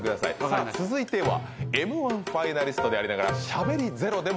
さあ続いてはＭ−１ファイナリストでありながらしゃべりゼロでも笑いが取れる。